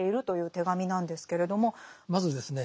まずですね